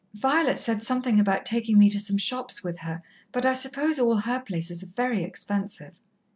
"Violet said something about taking me to some shops with her, but I suppose all her places are very expensive."